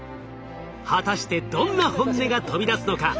果たしてどんな本音が飛び出すのか？